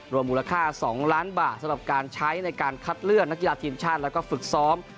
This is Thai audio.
รวมมูลค่า๒ล้านบาทสำหรับการใช้ในการคัดเลือกนักกีฬาทีมชาติแล้วก็ฝึกซ้อม